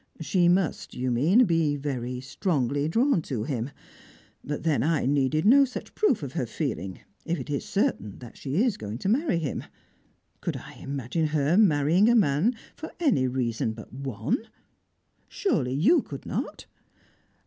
She must, you mean, be very strongly drawn to him. But then I needed no such proof of her feeling if it is certain that she is going to marry him. Could I imagine her marrying a man for any reason but one? Surely you could not?"